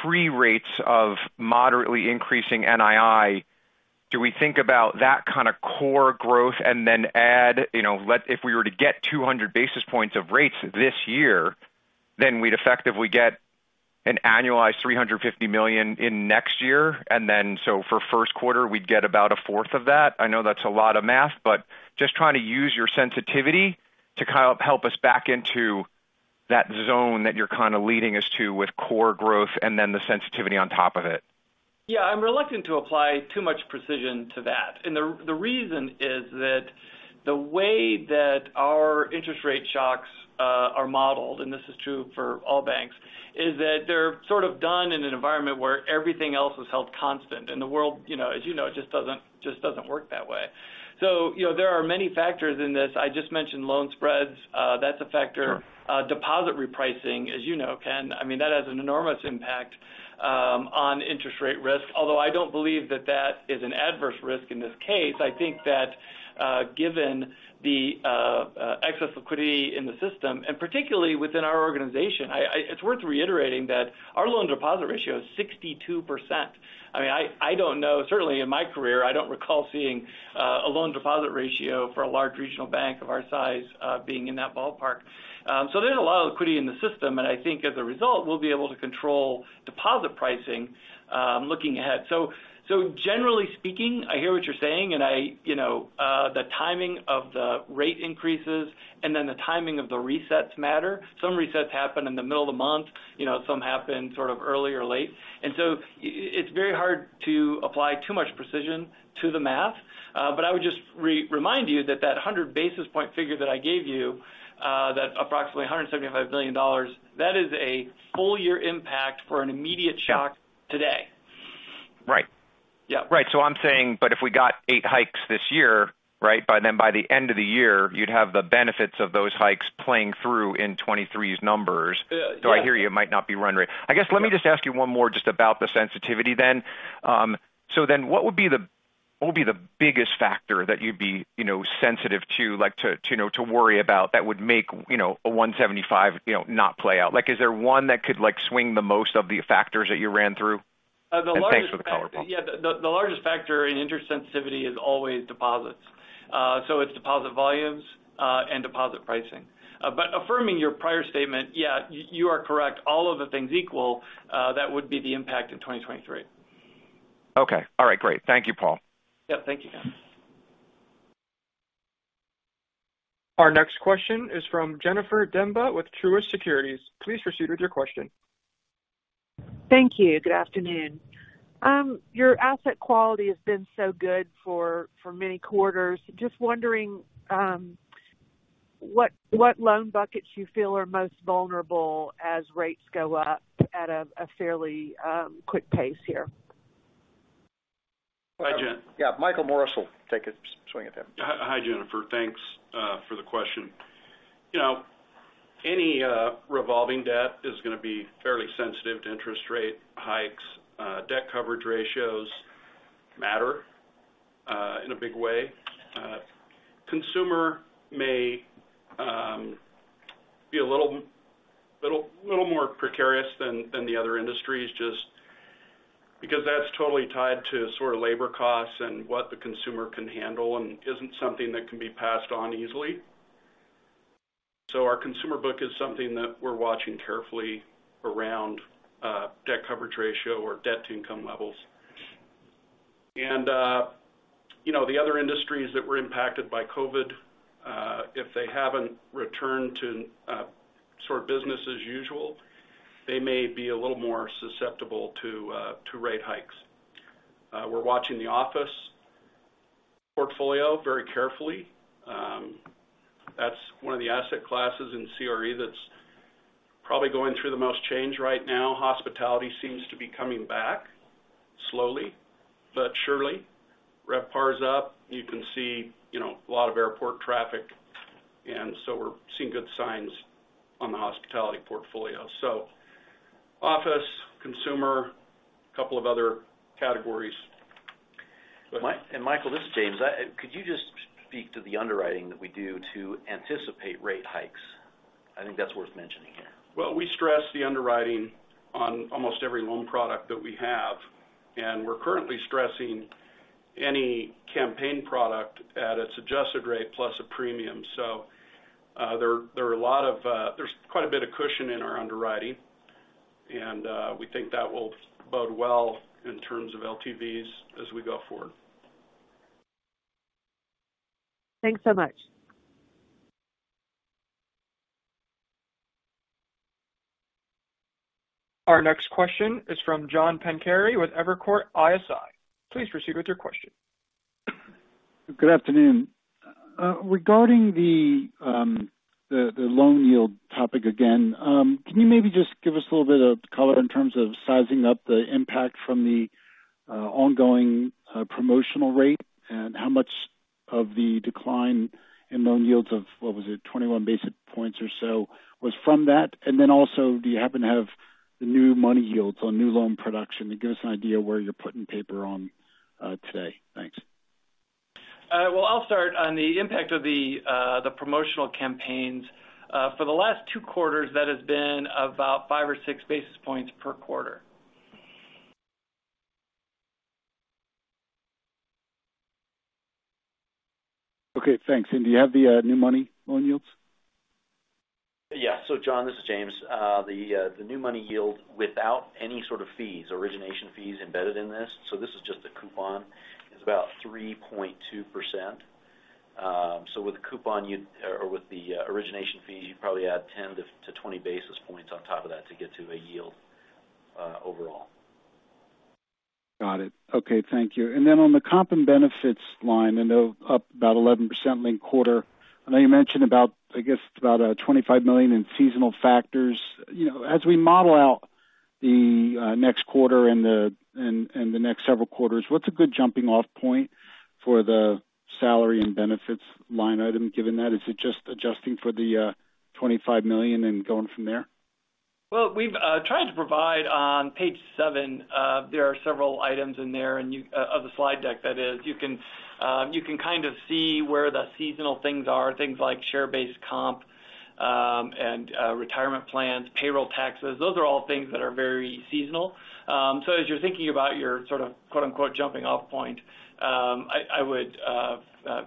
pre-rates of moderately increasing NII, do we think about that kind of core growth and then add, you know, if we were to get 200 basis points of rates this year, then we'd effectively get an annualized $350 million in next year. For Q1, we'd get about a fourth of that. I know that's a lot of math, but just trying to use your sensitivity to kind of help us back into that zone that you're kind of leading us to with core growth and then the sensitivity on top of it. Yeah, I'm reluctant to apply too much precision to that. The reason is that the way that our interest rate shocks are modeled, and this is true for all banks, is that they're sort of done in an environment where everything else is held constant. The world, you know, as you know, it just doesn't work that way. You know, there are many factors in this. I just mentioned loan spreads, that's a factor. Sure. Deposit repricing, as you know, Ken, I mean, that has an enormous impact on interest rate risk. Although I don't believe that is an adverse risk in this case. I think that, given the excess liquidity in the system, and particularly within our organization, it's worth reiterating that our loan deposit ratio is 62%. I mean, I don't know, certainly in my career, I don't recall seeing a loan deposit ratio for a large regional bank of our size being in that ballpark. So there's a lot of liquidity in the system, and I think as a result, we'll be able to control deposit pricing looking ahead. Generally speaking, I hear what you're saying, and you know, the timing of the rate increases and then the timing of the resets matter. Some resets happen in the middle of the month, you know, some happen sort of early or late. It's very hard to apply too much precision to the math. But I would just remind you that 100 basis point figure that I gave you, that approximately $175 million, that is a full year impact for an immediate shock today. Right. Yeah. Right. I'm saying, but if we got 8 hikes this year, right, by then by the end of the year, you'd have the benefits of those hikes playing through in 2023's numbers. Yeah. I hear you, it might not be run rate. I guess, let me just ask you one more just about the sensitivity then. What would be the biggest factor that you'd be, you know, sensitive to like, to know, to worry about that would make, you know, a 175, you know, not play out? Like, is there one that could like swing the most of the factors that you ran through? The largest- Thanks for the color, Paul. Yeah. The largest factor in interest sensitivity is always deposits. So it's deposit volumes and deposit pricing. Affirming your prior statement, yeah, you are correct. All else equal, that would be the impact in 2023. Okay. All right, great. Thank you, Paul. Yeah, thank you, Ken. Our next question is from Jennifer Demba with Truist Securities. Please proceed with your question. Thank you. Good afternoon. Your asset quality has been so good for many quarters. Just wondering, what loan buckets you feel are most vulnerable as rates go up at a fairly quick pace here? Hi, Jen. Yeah, Michael Morris will take a swing at that. Hi, Jennifer. Thanks for the question. You know, any revolving debt is going to be fairly sensitive to interest rate hikes. Debt coverage ratios matter in a big way. Consumer may be a little more precarious than the other industries just because that's totally tied to sort of labor costs and what the consumer can handle and isn't something that can be passed on easily. Our consumer book is something that we're watching carefully around debt coverage ratio or debt-to-income levels. You know, the other industries that were impacted by COVID, if they haven't returned to sort of business as usual, they may be a little more susceptible to rate hikes. We're watching the office portfolio very carefully. That's one of the asset classes in CRE that's probably going through the most change right now. Hospitality seems to be coming back slowly but surely. RevPAR is up. You can see, you know, a lot of airport traffic, and so we're seeing good signs on the hospitality portfolio. Office, consumer, a couple of other categories. Michael, this is James. Could you just speak to the underwriting that we do to anticipate rate hikes? I think that's worth mentioning here. Well, we stress the underwriting on almost every loan product that we have, and we're currently stressing any C&I product at its adjusted rate plus a premium. There's quite a bit of cushion in our underwriting, and we think that will bode well in terms of LTVs as we go forward. Thanks so much. Our next question is from John Pancari with Evercore ISI. Please proceed with your question. Good afternoon. Regarding the loan yield topic again, can you maybe just give us a little bit of color in terms of sizing up the impact from the ongoing promotional rate and how much of the decline in loan yields of, what was it, 21 basis points or so was from that? Also, do you happen to have the new money yields on new loan production to give us an idea where you're putting paper on today? Thanks. Well, I'll start on the impact of the promotional campaigns. For the last 2 quarters, that has been about 5 or 6 basis points per quarter. Okay, thanks. Do you have the new money loan yields? John, this is James. The new money yield without any sort of fees, origination fees embedded in this, so this is just a coupon, is about 3.2%. With the origination fees, you probably add 10 to 20 basis points on top of that to get to a yield overall. Got it. Okay, thank you. Then on the comp and benefits line, I know up about 11% linked quarter. I know you mentioned about, I guess, $25 million in seasonal factors. You know, as we model out the next quarter and the next several quarters, what's a good jumping off point for the salary and benefits line item given that? Is it just adjusting for the $25 million and going from there? Well, we've tried to provide on page 7. There are several items in there of the slide deck, that is, you can kind of see where the seasonal things are, things like share-based comp and retirement plans, payroll taxes. Those are all things that are very seasonal. As you're thinking about your sort of quote-unquote "jumping off point," I would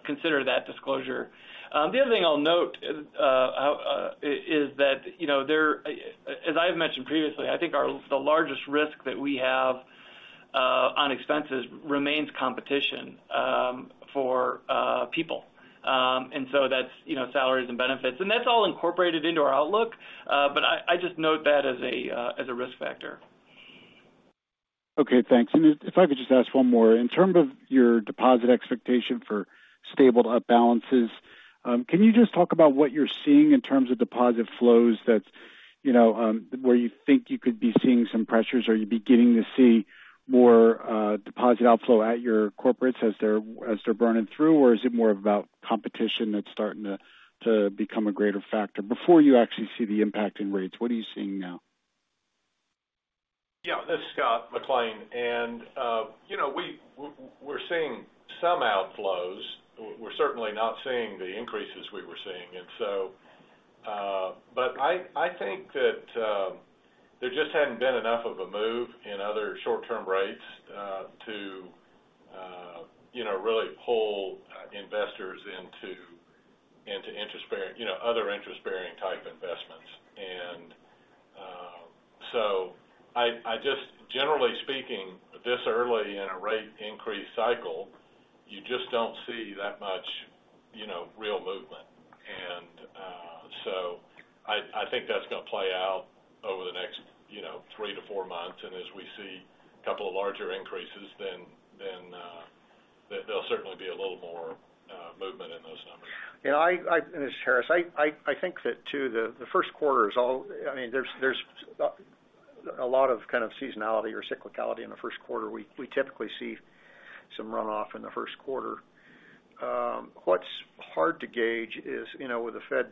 consider that disclosure. The other thing I'll note is that, you know, as I've mentioned previously, I think the largest risk that we have on expenses remains competition for people. That's, you know, salaries and benefits. That's all incorporated into our outlook, but I just note that as a risk factor. Okay, thanks. If I could just ask one more. In terms of your deposit expectation for stable balances, can you just talk about what you're seeing in terms of deposit flows that, you know, where you think you could be seeing some pressures? Are you beginning to see more deposit outflow at your corporates as they're burning through? Or is it more about competition that's starting to become a greater factor before you actually see the impact in rates? What are you seeing now? Yeah, this is Scott McLean. You know, we're seeing some outflows. We're certainly not seeing the increases we were seeing. But I think that there just hadn't been enough of a move in other short-term rates to you know, really pull investors into interest bearing you know, other interest bearing type investments. I just generally speaking, this early in a rate increase cycle, you just don't see that much you know, real movement. I think that's going to play out over the next you know, 3 to 4 months. As we see a couple of larger increases, then there'll certainly be a little more movement in those numbers. You know, this is Harris. I think that too. The Q1 mean, there's a lot of kind of seasonality or cyclicality in the Q1. We typically see some runoff in the Q1. What's hard to gauge is, you know, with the Fed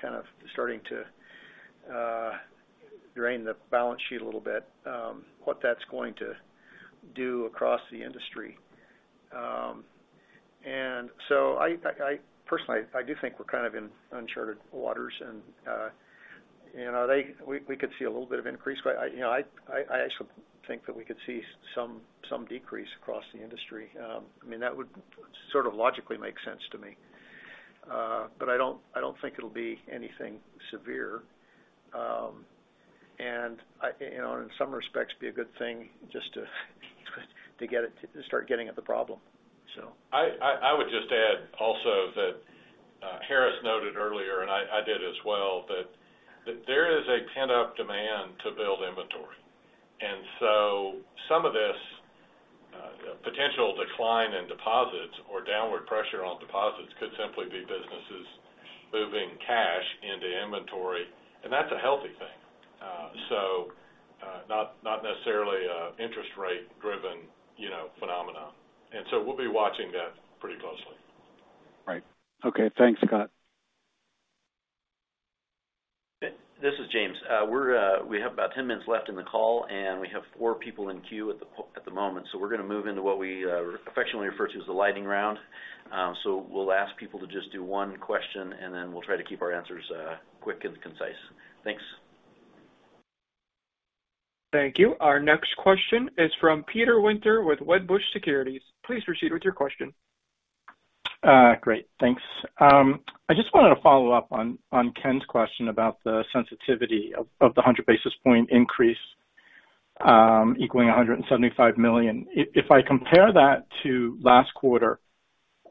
kind of starting to drain the balance sheet a little bit, what that's going to do across the industry. I personally do think we're kind of in uncharted waters and, you know, we could see a little bit of increase. I, you know, actually think that we could see some decrease across the industry. I mean, that would sort of logically make sense to me. I don't think it'll be anything severe. You know, in some respects be a good thing just to get it to start getting at the problem, so. I would just add also that Harris noted earlier, and I did as well, that there is a pent-up demand to build inventory. Some of this potential decline in deposits or downward pressure on deposits could simply be businesses moving cash into inventory, and that's a healthy thing. Not necessarily an interest rate driven, you know, phenomenon. We'll be watching that pretty closely. Right. Okay, thanks, Scott.We have about 10 minutes left in the call, and we have 4 people in queue at the moment. We're going to move into what we affectionately refer to as the lightning round. We'll ask people to just do one question, and then we'll try to keep our answers quick and concise. Thanks. Thank you. Our next question is from Peter Winter with Wedbush Securities. Please proceed with your question. Great, thanks. I just wanted to follow up on Ken's question about the sensitivity of the 100 basis point increase equaling $175 million. If I compare that to last quarter,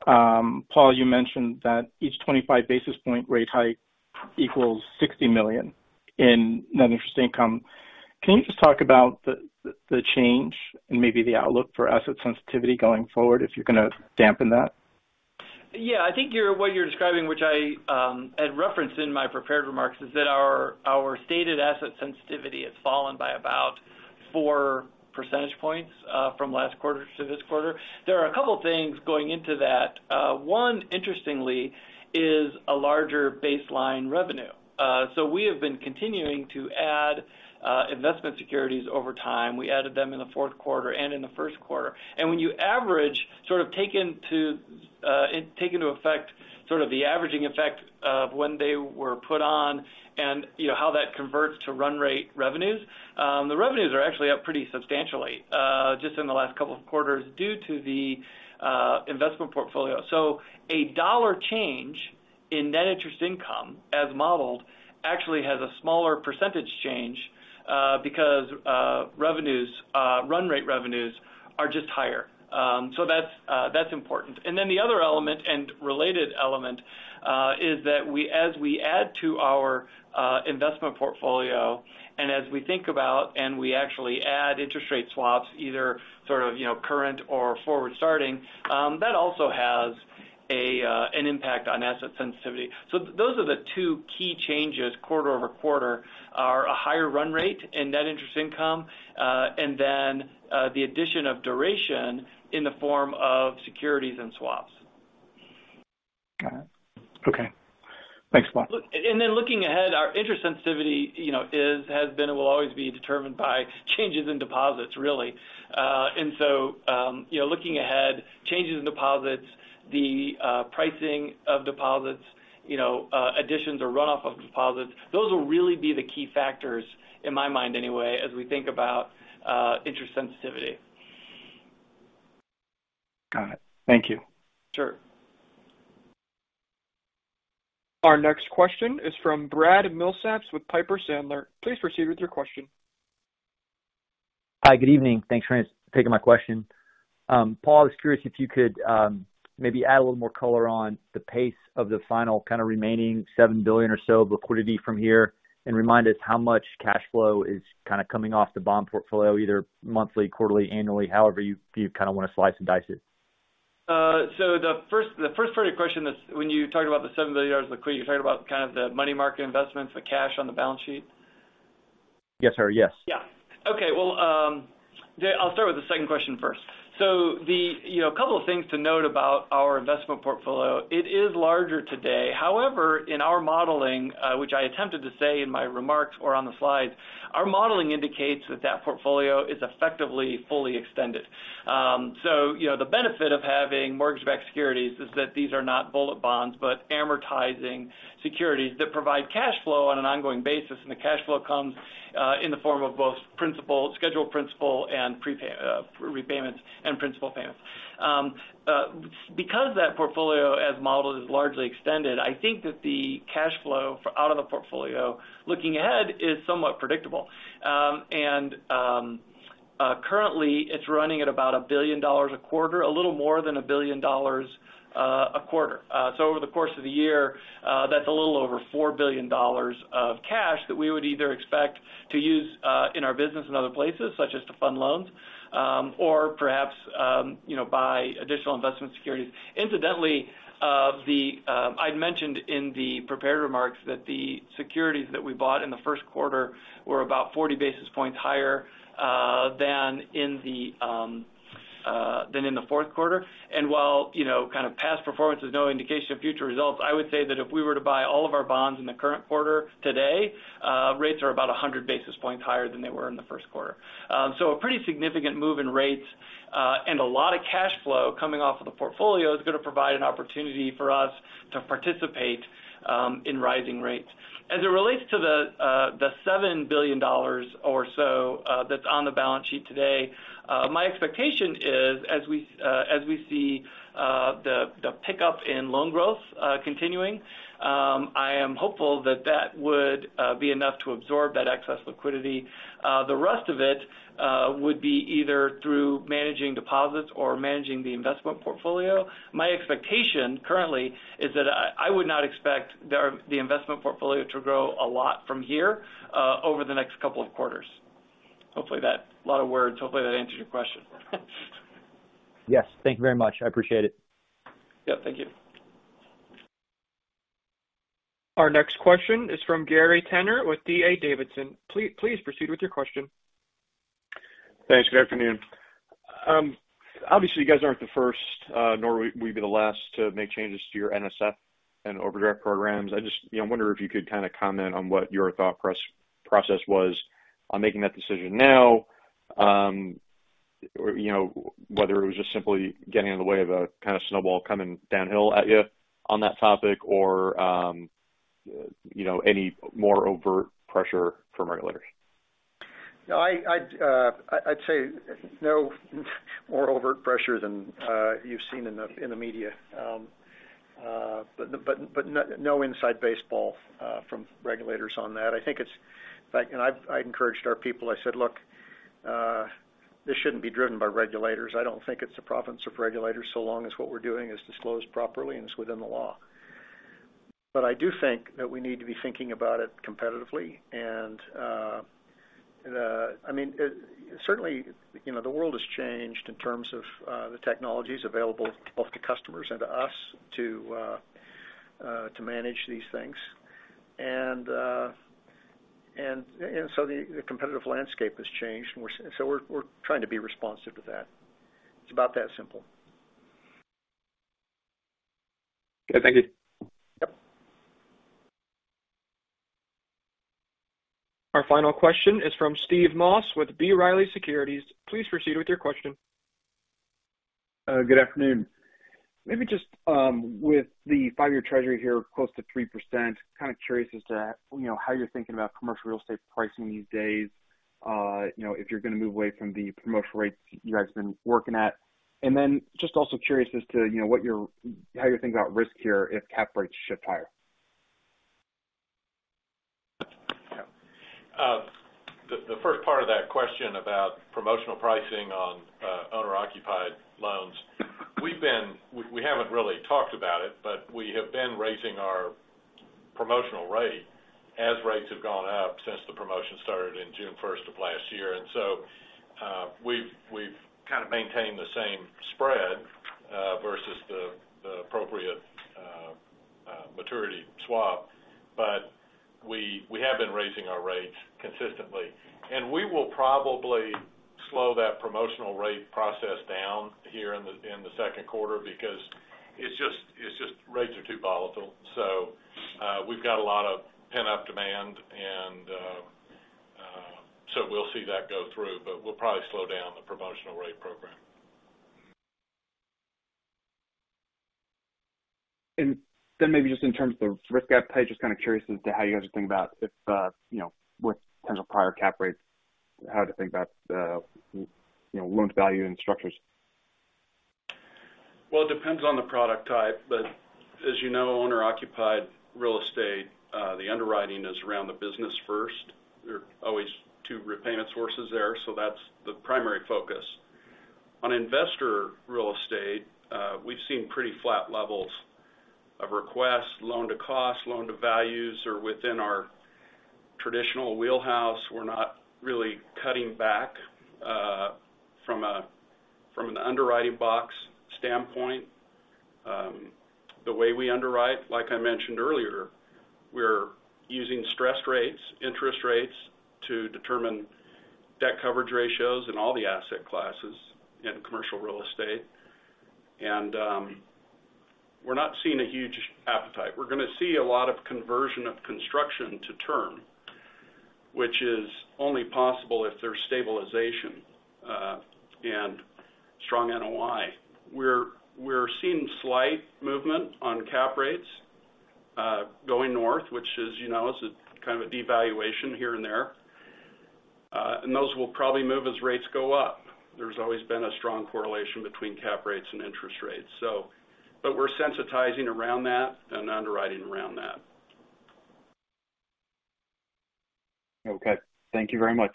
Paul, you mentioned that each 25 basis point rate hike equals $60 million in net interest income. Can you just talk about the change and maybe the outlook for asset sensitivity going forward if you're going to dampen that? Yeah. I think what you're describing, which I had referenced in my prepared remarks, is that our stated asset sensitivity has fallen by about 4% points from last quarter to this quarter. There are a couple things going into that. One interestingly is a larger baseline revenue. So we have been continuing to add investment securities over time. We added them in the Q4 and in the Q1. When you average, sort of take into effect sort of the averaging effect of when they were put on and, you know, how that converts to run rate revenues, the revenues are actually up pretty substantially just in the last couple of quarters due to the investment portfolio. $1 change in net interest income as modeled actually has a smaller percentage change, because revenues, run rate revenues are just higher. That's important. The other element and related element is that as we add to our investment portfolio and as we think about, and we actually add interest rate swaps, either sort of, you know, current or forward starting, that also has an impact on asset sensitivity. Those are the two key changes quarter-over-quarter, a higher run rate in net interest income, and the addition of duration in the form of securities and swaps. Got it. Okay. Thanks, Paul. Looking ahead, our interest sensitivity, you know, is, has been and will always be determined by changes in deposits, really. Looking ahead, changes in deposits, pricing of deposits, you know, additions or run off of deposits, those will really be the key factors, in my mind anyway, as we think about interest sensitivity. Got it. Thank you. Sure. Our next question is from Brad Milsaps with Piper Sandler. Please proceed with your question. Hi, good evening. Thanks for taking my question. Paul, I was curious if you could maybe add a little more color on the pace of the final kind of remaining $7 billion or so of liquidity from here, and remind us how much cash flow is kind of coming off the bond portfolio, either monthly, quarterly, annually, however you kind of want to slice and dice it. The 1st part of your question is when you talked about the $7 billion liquidity, you're talking about kind of the money market investments, the cash on the balance sheet? Yes, sir, yes. I'll start with the 2nd question first. You know, a couple of things to note about our investment portfolio, it is larger today. However, in our modeling, which I attempted to say in my remarks or on the slides, our modeling indicates that that portfolio is effectively fully extended. You know, the benefit of having mortgage-backed securities is that these are not bullet bonds, but amortizing securities that provide cash flow on an ongoing basis, and the cash flow comes in the form of both principal, scheduled principal and prepayments and principal payments. Because that portfolio as modeled is largely extended, I think that the cash flow out of the portfolio looking ahead is somewhat predictable. Currently it's running at about a little more than $1 billion a quarter. Over the course of the year, that's a little over $4 billion of cash that we would either expect to use in our business in other places, such as to fund loans, or perhaps, you know, buy additional investment securities. Incidentally, I'd mentioned in the prepared remarks that the securities that we bought in the Q1 were about 40 basis points higher than in the Q4. While, you know, kind of past performance is no indication of future results, I would say that if we were to buy all of our bonds in the current quarter today, rates are about 100 basis points higher than they were in the Q1. A pretty significant move in rates, and a lot of cash flow coming off of the portfolio is going to provide an opportunity for us to participate in rising rates. As it relates to the $7 billion or so that's on the balance sheet today, my expectation is, as we see the pickup in loan growth continuing, I am hopeful that that would be enough to absorb that excess liquidity. The rest of it would be either through managing deposits or managing the investment portfolio. My expectation currently is that I would not expect the investment portfolio to grow a lot from here over the next couple of quarters. Hopefully that answers your question. Yes, thank you very much. I appreciate it. Yep, thank you. Our next question is from Gary Tenner with D.A. Davidson. Please proceed with your question. Thanks. Good afternoon. Obviously, you guys aren't the first, nor will you be the last to make changes to your NSF and overdraft programs. I just, you know, wonder if you could kind comment on what your thought process was on making that decision now, or, you know, whether it was just simply getting in the way of a kind of snowball coming downhill at you on that topic or, you know, any more overt pressure from regulators. No, I'd say no more overt pressure than you've seen in the media. No inside baseball from regulators on that. I think it's. In fact, I've encouraged our people. I said, "Look, this shouldn't be driven by regulators. I don't think it's the province of regulators, so long as what we're doing is disclosed properly and it's within the law." I do think that we need to be thinking about it competitively and I mean certainly you know the world has changed in terms of the technologies available both to customers and to us to manage these things. So the competitive landscape has changed, and we're trying to be responsive to that. It's about that simple. Okay. Thank you. Yep. Our final question is from Steve Moss with B. Riley Securities. Please proceed with your question. Good afternoon. Maybe just with the 5 year Treasury here close to 3%, kind of curious as to, you know, how you're thinking about commercial real estate pricing these days. You know, if you're going to move away from the promotional rates you guys have been working at. Then just also curious as to, you know, how you're thinking about risk here if cap rates shift higher. Yeah. The 1st part of that question about promotional pricing on owner-occupied loans. We haven't really talked about it, but we have been raising our promotional rate as rates have gone up since the promotion started in June 1st of last year. We've kind of maintained the same spread versus the appropriate maturity swap. We have been raising our rates consistently. We will probably slow that promotional rate process down here in the Q2 because it's just rates are too volatile. We've got a lot of pent-up demand and so we'll see that go through, but we'll probably slow down the promotional rate program. Maybe just in terms of risk appetite, just kind of curious as to how you guys are thinking about if, you know, with kind of higher cap rates, how to think about the, you know, loan-to-value and structures? Well, it depends on the product type. As you know, owner-occupied real estate, the underwriting is around the business first. There are always two repayment sources there, so that's the primary focus. On investor real estate, we've seen pretty flat levels of requests. Loan-to-cost, loan-to-values are within our traditional wheelhouse. We're not really cutting back, from an underwriting box standpoint. The way we underwrite, like I mentioned earlier, we're using stress rates, interest rates to determine debt coverage ratios in all the asset classes in commercial real estate. We're not seeing a huge appetite. We're going to see a lot of conversion of construction to term, which is only possible if there's stabilization, and strong NOI. We're seeing slight movement on cap rates, going north, which is, you know, is a kind of a devaluation here and there. Those will probably move as rates go up. There's always been a strong correlation between cap rates and interest rates, so we're sensitizing around that and underwriting around that. Okay. Thank you very much.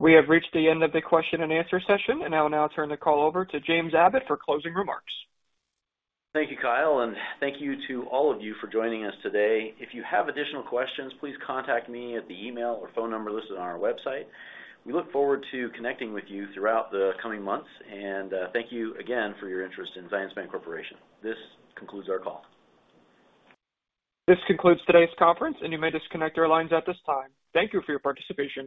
We have reached the end of the question and answer session. I will now turn the call over to James Abbott for closing remarks. Thank you, Kyle. Thank you to all of you for joining us today. If you have additional questions, please contact me at the email or phone number listed on our website. We look forward to connecting with you throughout the coming months. Thank you again for your interest in Zions Bancorporation. This concludes our call. This concludes today's conference, and you may disconnect your lines at this time. Thank you for your participation.